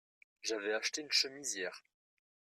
J'avais acheté une chemise hier.